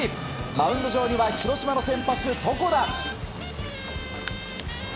マウンド上には広島の先発、床田。